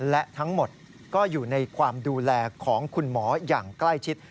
และทั้งหมดก็อยู่ในความดูแลของคุณหมออย่างใกล้ชิด